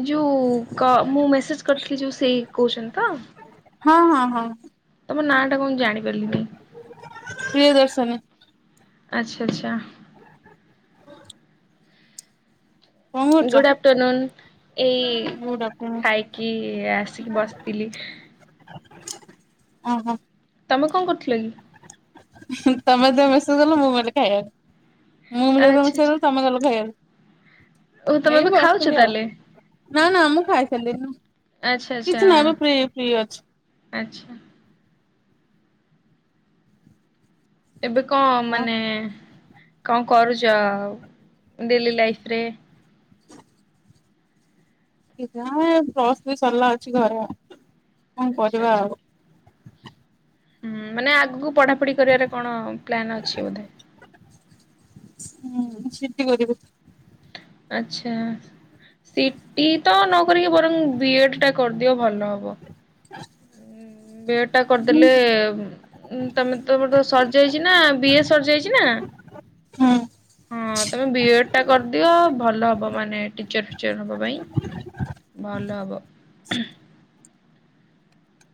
ଏ ଯୋଉ କ ମୁଁ ମେସେଜ କରିଥିଲି ଯୋଉ ସେଇ କହୁଛନ୍ତି ତ? ହଁ ହଁ ହଁ। ତମ ନାଁ ଟା କଣ, ମୁଁ ଜାଣି ପାରିଲିନି। ପ୍ରିୟଦର୍ଶନୀ। ଆଚ୍ଛା ଆଚ୍ଛା। କଣ କରୁଛ? ଗୁଡ ଆଫ୍ଟରନୁନ ଏଇ ଗୁଡ୍ ଆଫ୍ଟରନୁନ୍ ଖାଇକି ଆସିକି ବସିଥିଲି। ଅ ହ। ତମେ କଣ କରୁଥିଲ କି? ତମେ ଯେତେବେଳେ ମେସେଜ ଦେଲ ମୁଁ ଗଲି ଖାଇଆକୁ, ମୁଁ ଯେତେବେଳେ ଆଚ୍ଛା ମେସେଜ ଆଚ୍ଛା ଦେଲି ତମେ ଗଲ ଖାଇଆକୁ, ଓ ତମେ ଏଇ ଏବେ ଖାଉଛ ବସିଥିଲି ଆଉ। ତାହେଲେ ନା ନା ମୁଁ ଖାଇସାରିଲେଣି ନା ଆଚ୍ଛା ଆଚ୍ଛା। କିଛି ନାହିଁ ଫ୍ରି ଫ୍ରି ଅଛି। ଆଚ୍ଛା। ଏବେ କଣ ହଁ। ମାନେ କଣ କରୁଛ, ଡେଲି ଲାଇଫ୍ ରେ। ପ୍ଲସଥ୍ରୀ ସରିଲା ଅଛି ଘରେଆଉ, କଣ ଆଚ୍ଛା କରିବା ଆଚ୍ଛା। ଆଉ। ହୁଁ ମାନେ ଆଗକୁ ପଢାପଢି କରିବାର କଣ ପ୍ଲାନ ଅଛି ବୋଧେ? ହୁଁ ସିଟି କରିବୁ। ଆଛା। ସିଟି ତ ନକରିକି, ବରଂ ବିଇଡି ଟା କରିଦିଅ ଭଲ ହବ। [inaudible] ବିଏଡେ ଟା କରିଦେଲେ ତମେ ତମର ସରିଯାଇଛି ନା, ବିଏ ସରିଯାଇଛି ନା। ହଁ। ହଁ ତମେ ବିଏଡ ଟା କରିଦିଅ ଭଲ ହବ ମାନେ ଟିଚର ଫିଚର ହବା ପାଇଁ। ଭଲ ହବ।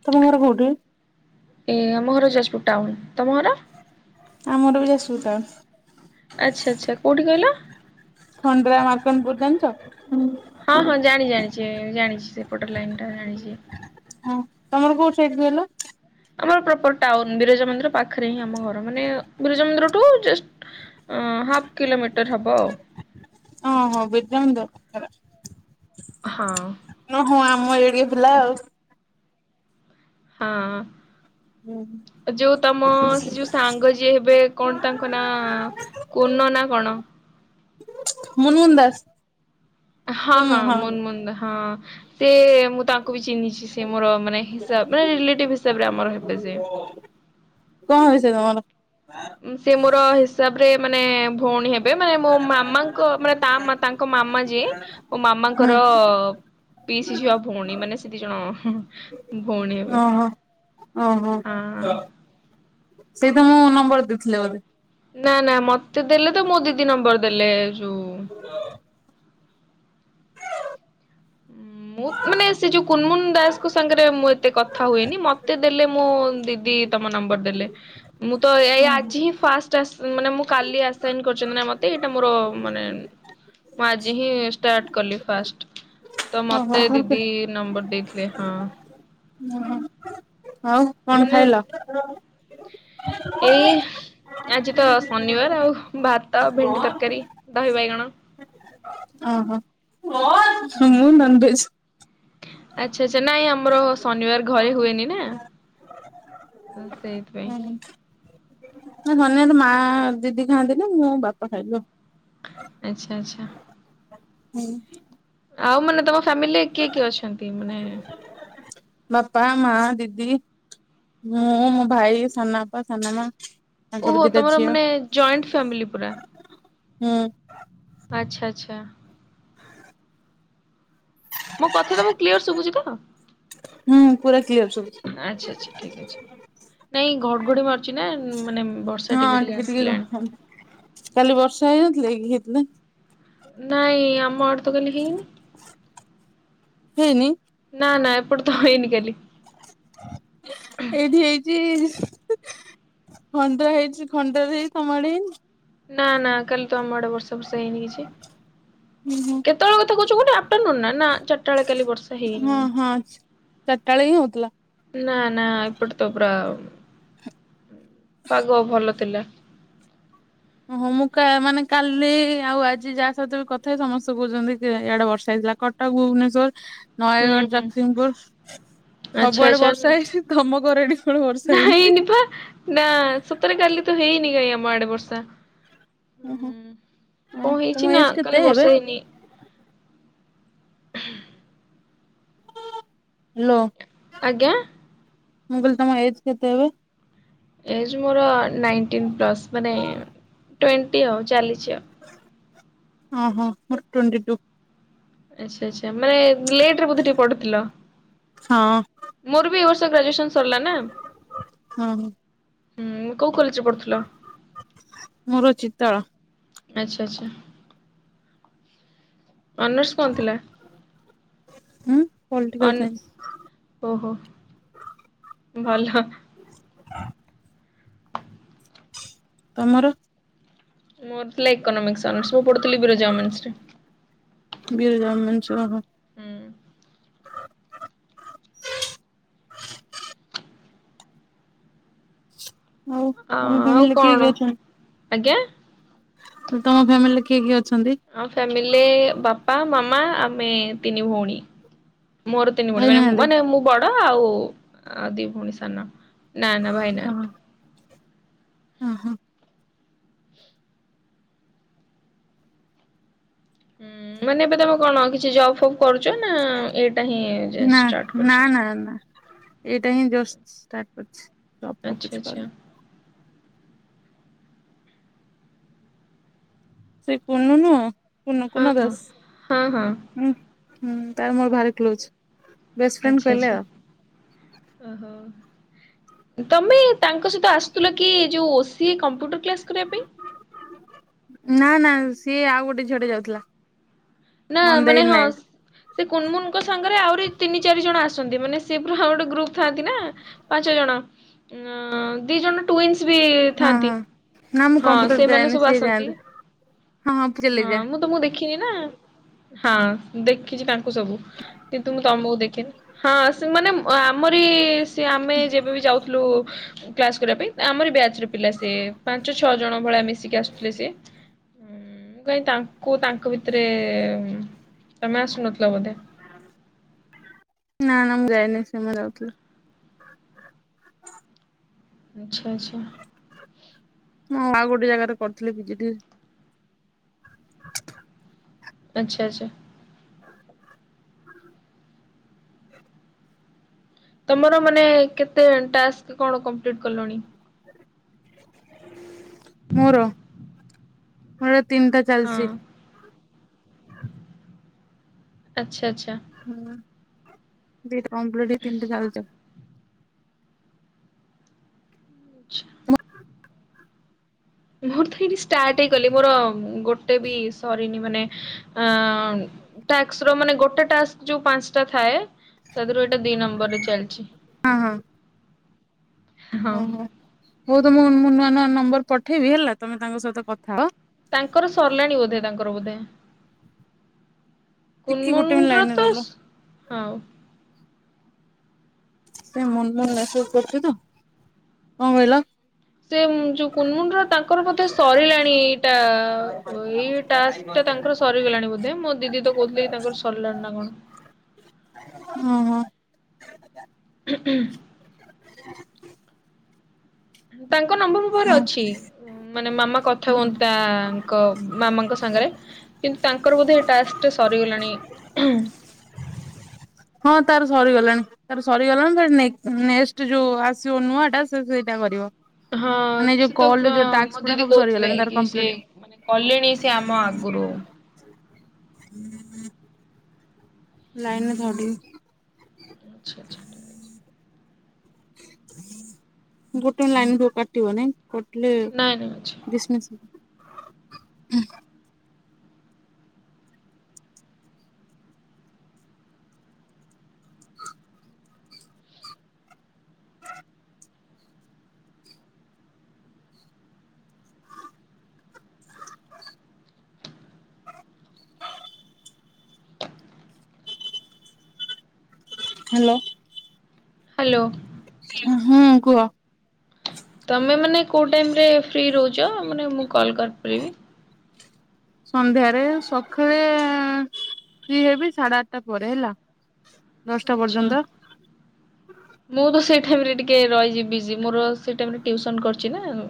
ତମ ଘର କୋଉଠି? ଏ ଆମ ଘର ଯାଜପୁର ଟାଉନ, ତମ ଘର ଆମ ଘର ବି ଯାଜପୁର ଟାଉନ୍। ଆଚ୍ଛା ଆଚ୍ଛା କୋଉଠି କହିଲ? ସନ୍ଦ୍ରା ମାଦନ ପୁର ଜାଣିଛ? ହୁଁ। ହଁ ହଁ ଜାଣି ଜାଣିଛି ଜାଣିଛି ସେ ପଟ ଲାଇନଟା ଜାଣିଛି। ହଁ ତମର କୋଉ ସାଇଡ କହିଲ? ଆମର ପ୍ରପର ଟାଉନ୍ ବିରଜା ମନ୍ଦିର ପାଖରେ ହିଁ ଆମ ଘର ମାନେ ବିରଜା ମନ୍ଦିରଠୁ ଯଷ୍ଟ ଅ ହାଫ କିଲୋମିଟର ହବ ଆଉ। ଅ ହଁ ବିରଜା ମନ୍ଦିର ପାଖରେ। ହଁ। ନ ହଁ ଆମ ଏରିଆ ପିଲା ଆଉ। ହୁଁ ହଁ। ହୁଁ। ଯୋଉ ତମ ସେ ଯୋଉ ସାଙ୍ଗ ହେବେ, କଣ ତାଙ୍କ ନା? କୁନ ନା କଣ? ମୁନମୁନ ଦାସ। ହଁ ହଁ ମୁନମୁନ ହଁ ସେ ତାଙ୍କୁ ବି ଚିହ୍ନିଛି ସେ ମୋର ମାନେ ହିସାବରେ, ରିଲେଟିଭ ହିସାବରେ ଆମର ହେବେଯେ କଣ ହେବେ ସେ ତମର? ସେ ମୋର ହିସାବ ରେ ମାନେ ଭଉଣୀ ହେବେ ହେବେ ମାନେ ମୋ ମାମା ଙ୍କ ମାନେ ତା ମା ତାଙ୍କ ମାମା ଯିଏ ମୋ ହୁଁ ମାମାଙ୍କର ପିଇସି ଝିଅ ଭଉଣୀ ମାନେ ସେ ଦି ଜଣ ଭଉଣୀ ହେବେ। ଓହୋ। ଓହୋ ହଁ। ସେ ତମ ନମ୍ବର ଦେଇଥିଲେ ବୋଧେ। ନା ନା ମତେ ଦେଲେ ତ ମୋ ଦିଦି ନମ୍ବର ଦେଲେ ଯୋଉ [unintelligible] [inaudible] ମୁଁ ମାନେ ସେ ଯୋଉ କୁନମୁନ ଦାସ୍ କ ସାଙ୍ଗରେ ମୁଁ ଏତେ କଥା ହୁଏନି। ମତେ ଦେଲେ ମୋ ଦିଦି ତମ ନମ୍ବର୍ ଦେଲେ। ମୁଁ ତ ଏ ଏ ଆଜି ହିଁ ଫାଷ୍ଟ ଆସା ମାନେ ମୁଁ କାଲି ଆସାଇନ୍ କରିଚନ୍ତି ନା ମତେ ଏଇଟା ମୋର ମାନେ ମୁଁ ଆଜି ହିଁ ଷ୍ଟାର୍ଟ କଲି ଫାଷ୍ଟ। ତ ଓହୋ ମତେ ତମର କେ ଦିଦି ନମ୍ବର୍ ଦେଇଥିଲେ ହଁ। ଆଉ କଣ ମାନେ ଖାଇଲ? ଏଇ ଆଜି ତ ଶନିବାର ଆଉ ଭାତ, ଭେଣ୍ଡି ତରକାରୀ, ଦହି ବାଇଗଣ। ଓହୋ ହଁ ମୁଁ ନନଭେଜ। ଆଚ୍ଛା ଆଚ୍ଛା ନାଇଁ ଆମର ଶନିବାର ଘରେ ହୁଏନି ନା ଅ ସେଇଥିପାଇଁ। ନା ନନଭେଜ ମାଆ, ଦିଦି ଖାଆନ୍ତିନି ମୁଁ, ବାପା ଖାଇଲୁ। ଆଚ୍ଛା ଆଚ୍ଛା ହୁଁ। ଆଉ ମାନେ ତମ ଫ୍ୟାମିଲିରେ କିଏ କିଏ ଅଛନ୍ତି ମାନେ ବାପା, ମାଆ, ଦିଦି, ମୁଁ, ମୋ ଭାଇ, ସାନବାପା, ସାନମାଆ। ଓହୋ ତମର ମାନେ ଜଏଣ୍ଟ ଫ୍ୟାମିଲି ପୁରା। ହୁଁ। ଆଚ୍ଛା ଆଚ୍ଛା। ମୋ କଥା ତମୁକୁ କ୍ଲିୟର ଶୁଭୁଚି ତ? ହୁଁ ପୁରା କ୍ଲିୟର ଆଚ୍ଛା ଆଚ୍ଛା ଠିକ୍ ଅଛି। ଶୁବୁଚି। ନାଇଁ ଘଡ଼ଘଡ଼ି ମାରୁଚି ନା ଉଁ ମାନେ ବର୍ଷା ଟିକେ ଟିକେ ଆସିଲାଣି। କାଲି ବର୍ଷା ହେଇନଥିଲା କି ହେଇଥିଲା। ନାଇଁ ଆମ ଆଡ଼େ ତ କାଲି ହେଇନି। ହେଇନି? ନା ନା ଏପଟେ ତ ହେଇନି କାଲି। ଏଇଠି ହେଇଚି। ଖଣ୍ଡରା ହେଇଚି ଖଣ୍ଡରାରେ ହେଇଚି ତମ ଆଡ଼େ ହେଇନି? ନା ନା କାଲି ତ ଆମ ଆଡ଼େ ବର୍ଷା ଫର୍ଷା ହେଇନି କିଛି ଉଁ ହୁଁ କେତୋଳ କଥା କୋହୁଚ କୁହନି ଆ ଆଫଟରନୁନ ନା ନା ଚାରଟା ବେଳେ କାଲି ବର୍ଷା ହେଇନି। ଆଛ୍ ଚାରଟା ବେଳେ ହିଁ ହୋଉଥୁଲା। ନା ନା ଏପଟେ ତ ପୁରା ପାଗ ଭଲ ଥିଲା। ଓହୋ ମୁଁ କା ମାନେ କାଲି ଆଉ ଆଜି ଯାହା ସହିତ ବି କଥା ହେଇଚି ସମସ୍ତେ କୋହୁଚନ୍ତି କି ୟାଡେ ବର୍ଷା ହେଇଥିଲା କ କଟକ, ଭୁବନେଶ୍ୱର, ହୁଁ ନୟାଗଡ଼, ହୁଁ ଜଗସିଂପୁର ଆଚ୍ଛା ସବୁଆଡ଼େ ବର୍ଷା ଆଚ୍ଛା। ହେଇଚି ତମ ଘର ଆଡ଼େ କେବଳ ନା ବର୍ଷା ହେଇନି। ହେଇନି ପା ନା ସତରେ କାଲି ତ ହେଇନି କାଇଁ ଆମ ଆଡ଼େ ବର୍ଷା। ଓହୋ ହୁଁ ଆଉ କଣ ତମ ହେଇଚି ନା ଏଜ କେତେ କାଲି ଏବେ ବର୍ଷା ହେଇନି। ହାଲୋ। ଆଜ୍ଞା। ମୁଁ କହିଲି ତମ ଏଜ୍ କେତେ ଏବେ? ଏଜ୍ ମୋର ନାଇଣ୍ଟିନ୍ ପ୍ଲସ୍ ମାନେ ଟ୍ୱେଣ୍ଟି ଆଉ ଚାଲିଚି ଆଉ। ଓହୋ ମୋର ଟ୍ୱେଣ୍ଟି ଟୁ। ଆଚ୍ଛା ଆଚ୍ଛା ମାନେ ଲେଟରେ ବୋଧେ ଟିକେ ପଢିଥିଲ? ହଁ ମୋର ବି ଏଇ ବର୍ଷ ଗ୍ରାଜୁଏସନ ସରିଲା ନା। ହଁ ହୁଁଁ କୋଉ କଲେଜରେ ପଢୁଥିଲ? ମୋର ଚିତାଳ। ଆଚ୍ଛା ଆଚ୍ଛା। ଅନର୍ସ କଣ ଥିଲା? ଉଁ ପଲଟିକାଲ ଅନ୍ ସାଇନ୍ସ। ଓହୋ ଭଲ। ତମର? ମୋର ଥିଲା ଏକନୋମିକ୍ସ ଅନର୍ସ ମୁଁ ପଢୁଥିଲି ବିରଜା ଓମେନ୍ସ ରେ। ବିରଜା ଓମେଂସ ଓହୋ। ହୁଁ। ଆଉ ଅ ତମ ଆଉ ଫ୍ୟାମିଲିରେ କିଏ କିଏ କଣ ଅଛନ୍ତି? ଆଜ୍ଞା। ତମ ଫ୍ୟାମିଲିରେ କିଏ କିଏ ଅଛନ୍ତି? ଆମ ଫ୍ୟାମିଲିରେ ବାପା ମାମା ଆମେ ତିନି ଭଉଣୀ। ମୋର ତିନି ଭଉଣୀ ଭାଇ ମାନେ ନାହାନ୍ତି? ମାନେ ମୁଁ ବଡ ଆଉ ଦି ଭଉଣୀ ସାନ। ନା ନା ଭାଇ ନାହାନ୍ତି। ହଁ ହଁ। ହଁ ମାନେ ଏବେ ତମେ କଣ କିଛି ଜବ ଫବ୍ କରୁଛ ନା ଏଇଟା ହିଁ ନା ଷ୍ଟାର୍ଟ ନା କରୁଛ? ନା ନା ଏଇଟା ହିଁ ଜଷ୍ଟ ଷ୍ଟାର୍ଟ କରିଛି ଜବ୍ ଫବ୍ ଆଚ୍ଛା କିଛି ଆଚ୍ଛା କରିନି। ସେ କୁନୁ ନୁହଁ କୁନୁ ହଁ କୁନା ହଁ ଦାସ ହଁ ହଁ ହୁଁ। ହୁଁ ତାର ମୋର ଭାରି କ୍ଲୋଜ। ବେଷ୍ଟ ଫ୍ରେଣ୍ଡ ଆଛା କହିଲେ ଆଛା ଆଉ। ଓହୋ ତମେ ତାଙ୍କ ସହିତ ଆସୁଥିଲ କି ଯୋଉ ଓସିଏ କମ୍ପ୍ୟୁଟର କ୍ଲାସ କରିବା ପାଇଁ? ନା ନା ସିଏ ଆଉ ଗୋଟେ ଝିଅ ଟେ ଯାଉଥିଲା। ନା ମନ୍ଦେଇ ମାନେ ହଁ। ନାୟକ ସେ କୁନମୁନଙ୍କ ସାଙ୍ଗରେ ଆହୁରି ତିନି ଚାରି ଜଣ ଆସନ୍ତି ମାନେ ସିଏ ପୁରା ଗୋଟେ ଗ୍ରୁପ ଥାନ୍ତି ନା। ପାଞ୍ଚ ଜଣ ଉଁ ଦି ଜଣ ଟୁଇନ୍ସ ବି ହଁ ଥାନ୍ତି ହଁ। ନା ମୁଁ ହଁ କମ୍ପ୍ୟୁଟର ସେମାନେ ଯାଏନି ସବୁ ସିଏ ଆସନ୍ତି। ଯାଆନ୍ତି। ହଁ ପ୍ରିଲିଜା। କିଏ ନା? ହଁ ଦେଖିଛି ତାଙ୍କୁ ସବୁ କିନ୍ତୁ ମୁଁ ତମକୁ ଦେଖିନି ହଁ ସେମାନେ ଆମରି ସେ ଆମେ ଯେବେ ବି ଯାଉଥିଲୁ କ୍ଲାସ କରିବା ପାଇଁ ଆମରି ବ୍ୟାଚର ପିଲା ସିଏ ପାଞ୍ଚ ଛଅ ଜଣ ଭଳିଆ ମିଶିକି ଆସୁଥିଲେ ସେ। ହୁଁ ମୁଁ କାଇଁ ତାଙ୍କୁ ତାଙ୍କ ଭିତରେ ତମେ ଆସୁନଥିଲ ବୋଧେ। ନା ନା ମୁଁ ଯାଇନି ସେମାନେ ଯାଉଥିଲେ। ଆଚ୍ଛା ଆଚ୍ଛା ମୁଁ ଆଉ ଗୋଟେ ଜାଗାରେ କରିଥିଲି ପିଜିଡି ଆଚ୍ଛା ଆଚ୍ଛା। ତମର ମାନେ କେତେ ଟାସ୍କ କଣ କଂପ୍ଲିଟ୍ କଲଣି? ମୋର ମୋର ତିନିଟା ଚାଲିଛି ହଁ ଆଛା ଆଛା। ହୁଁ ଦିଟା ଓମଲେଟ ତିନିଟା ଆଳୁଚୋପ। ଆଛା ମୋର ତ ଏଇଠି ଷ୍ଟାର୍ଟ ହି କଲି ମୋର ଗୋଟେ ବି ସରିନି ମାନେ ଅ ଟାସ୍କ ର ମାନେ ଗୋଟେ ଟାସ୍କ ଯୋଉ ପାଞ୍ଚଟା ଥାଏ ତା ଦେହରୁ ଏଇଟା ଦିଇ ନମ୍ବରରେ ଚାଲିଛି। ହଁ ହଁ ହଁ ଓହୋ ହଉ ତ ମୁଁ ମୁଁ ନୂଆ ନୂଆ ନମ୍ବର ପଠେଇବି ହେଲା ତମେ ତାଙ୍କ ସହିତ କଥା ହବ। ତାଙ୍କର ସରିଲାଣି ବୋଧେ ତାଙ୍କର ବୋଧେ। ଟିକେ କୁନମୁନ ଗୋଟେ ମିନିଟ ର ଲାଇନରେ ତ ରହିଲ ହଁ। ସେ ମୁନମୁନ ମେସେଜ କରୁଛି ତ କଣ କହିଲ? ସେ ଯୋଉ କୁନ୍ ମୁନ୍ ର ତାଙ୍କର ବୋଧେ ସରିଲାଣି ଏଇଟା ଏଇ ଟା ଟା ତାଙ୍କର ସରିଗଲାଣି ବୋଧେ ମୋ ଦିଦି ତ କହୁଥିଲେ ତାଙ୍କର ସରିଲାଣି ନା କଣ। ଓ ହଁ ହଁ। ହୁଁ। [inaudible] ତାଙ୍କ ନମ୍ବର ମୋ ପାଖରେ ଅଛି ମାନେ ମାମା କଥା ହଁ ହୁଅନ୍ତି ତା କ ମାମାଙ୍କ ସାଙ୍ଗରେ କିନ୍ତୁ ତାଙ୍କର ବୋଧେ ଏ ଟାକ୍ସ ଟା ସରିଗଲାଣି। ହଁ ତାର ସରିଗଲାଣି। ତାର ସରିଗଲାଣି ନେ ନେଷ୍ଟ୍ ଯୋଉ ଆସିବ ନୂଆ ଟା ସେ ସେଇଟା କରିବ। ହଁ ମାନେ ଯୋଉ ସେତ କଲ ରେ କଁ ଯୋଉ ଟାସ୍କ ମୋ ଗୁଡା ଦିଦି ସବୁ କହୁଥିଲେ ସରିଗଲାଣି ତାର କିସେ କମ୍ପ୍ଲିଟ ମାନେ ନେ କଲେଣି ସେ ଆମ ଆଗରୁ। [inaudible] ଲାଇନ ରେ ଥାଓ ଟିଏ। ଛା ଆଛା। ଗୋଟେ ଲାଇନ ବୁ କଟିବନି। କଟିଲେ ନାଇଁ ନାଇଁ ଅଛି। ଡିଶ୍ମିସ ହେଇ ହୁଁ। ହ୍ୟାଲୋ। ହ୍ୟାଲୋ। ଉ ହୁଁ କୁଅ? ତମେ ମାନେ କୋଉ ଟାଇମ ରେ ଫ୍ରି ରହୁଚ ମାନେ ମୁଁ କଲ୍ କରିପାରିବି? ସନ୍ଧ୍ୟାରେ ସକାଳେ ଏଁ ଫ୍ରି ହେବି ସାଢେ ଆଠଟା ପରେ ହେଲା। ଦଶଟା ଆଚ୍ଛା। ପର୍ଯ୍ୟନ୍ତ। ମୁଁ ତ ସେଇ ଠାଇମରେ ଟିକେ ରହିଜି ବିଜି ମୋର ସେ ଟାଇମ୍ ରେ ଟିଉସନ କରୁଚି ନାଆଉ।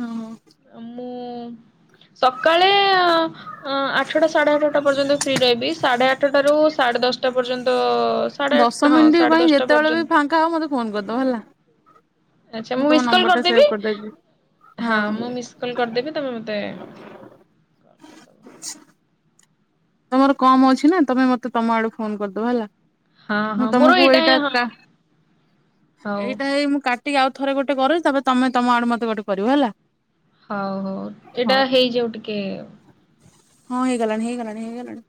ଅ ହଁ। ଆମୁଁ ସକାଳେ ଏଁ ଆଁ ଆ ଠଟା ସାଢ଼େ ଆଠଟା ପର୍ଯ୍ୟନ୍ତ ଫ୍ରି ରହିବି ସାଢ଼େ ଆଠଟାରୁ ସାଢ଼େ ଦଶଟା ପର୍ଯ୍ୟନ୍ତ ଅ ଦଶ ମିନିଟ୍ ପାଇଁ ଯେତେବେଳେ ବି ଫାଙ୍କା ହ ମୋତେ ଫୋନ କରିଦ ହେଲା। ଆଛା ମୁଁ ମୁ ତମ ମିସ କଲ ନମ୍ବର ଟା ସେଭ୍ କରିଦବି କରିଦେଇଛି ହଁ ମୁ ମିସ କଲ କରିଦବି ତମେ ମତେ ଆଚ୍ଛା। ତମର କମ୍ ଅଛି ନା ତମେ ମତେ ତମ ଆଡୁ ଫୋନ କରିଦବ ହେଲା। ହଁ ମୁଁ ହଁ ମୋର ତମକୁ ଏଇଟା ହିଁ ହଁ କା ହଉ ଏଇଟା ଏଇ ମୁଁ କା ଟିକି ଆଉ ଥରେ ଗୋଟେ କରୁଚି ତାପରେ ତମେ ତମ ଆଡୁ ମତେ ଗୋଟେ କରିବ ହେଲା। ହଉ ହଉ ଏଇଟା ହଉ। ହେଇଯାଉ ଟିକେ। ହଁ ହେଇଗଲାଣି ହେଇଗଲାଣି ହେଇଗଲାଣି।